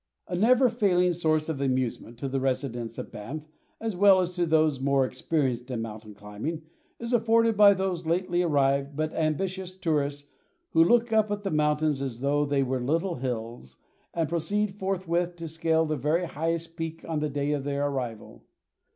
A never failing source of amusement to the residents of Banff, as well as to those more experienced in mountain climbing, is afforded by those lately arrived but ambitious tourists who look up at the mountains as though they were little hills, and proceed forthwith to scale the very highest peak on the day of their arrival.